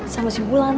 sama si wulan